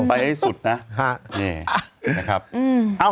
ไปหยุดที่ต